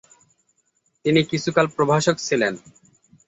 তিনি কিছুকাল প্রভাষক ছিলেন।